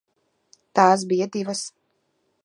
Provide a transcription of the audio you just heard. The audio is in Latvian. Tās bija divas.